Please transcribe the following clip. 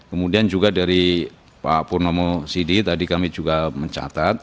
kemudian juga dari pak purnomo sidi tadi kami juga mencatat